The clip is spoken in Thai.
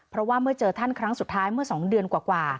เพราะว่าเมื่อเจอท่านครั้งสุดท้ายเมื่อ๒เดือนกว่า